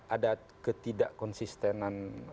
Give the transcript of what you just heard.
ada ketidak konsistenan